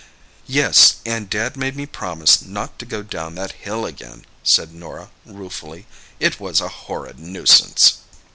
"Yes, and Dad made me promise not to go down that hill again," said Norah ruefully. "It was a horrid nuisance!"